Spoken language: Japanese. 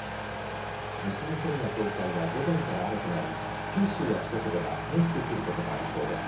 西日本や東海は午前から雨となり九州や四国では激しく降ることもありそうです。